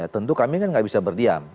tentu kami kan nggak bisa berdiam